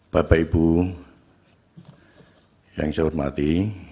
bapak ibu yang saya hormati